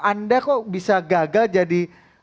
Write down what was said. anda kok bisa gagal jadi